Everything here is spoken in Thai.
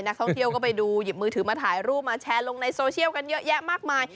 นักท่องเที่ยวก็ไปดูหยิบมือถือมาถ่ายรูปมาแชร์ลงในโซเชียลกันเยอะแยะมากมาย